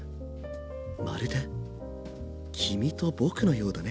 まるで君と僕のようだね。